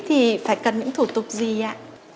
thì phải cần những thủ tục gì ạ